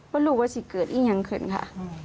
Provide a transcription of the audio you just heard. ว่ารู้ว่าสิ่งเกิดอย่างอีกคืนค่ะ